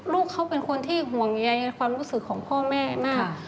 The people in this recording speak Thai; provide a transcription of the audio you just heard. ลูกเขาเป็นคนที่ห่วงใยในความรู้สึกของพ่อแม่มาก